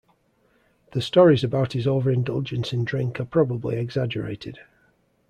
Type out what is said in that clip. The stories about his over-indulgence in drink are probably exaggerated.